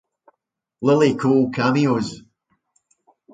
Lily Cole cameos.